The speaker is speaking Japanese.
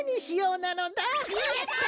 やった！